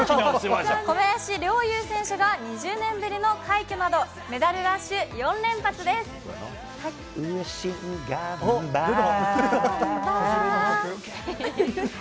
小林陵侑選手が２０年ぶりの快挙など、メダルラッシュ４連発がんばー。